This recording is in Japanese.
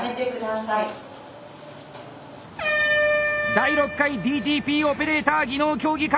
第６回ＤＴＰオペレーター技能競技会。